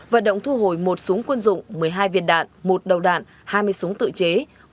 vận động thu hồi một súng quân dụng một mươi hai viên đạn một đầu đạn hai mươi súng tự chế